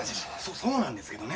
そうなんですけどね